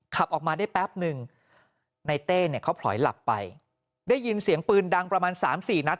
ขับออกมาได้แป๊บหนึ่งในเต้เนี่ยเขาผลอยหลับไปได้ยินเสียงปืนดังประมาณสามสี่นัด